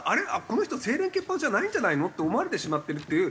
この人清廉潔白じゃないんじゃないのって思われてしまってるっていう